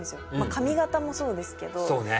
髪形もそうですけどそうね